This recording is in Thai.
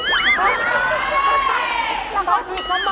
ทำไมแล้วก็ถีบทำไม